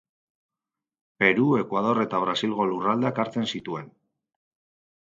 Peru, Ekuador eta Brasilgo lurraldeak hartzen zituen.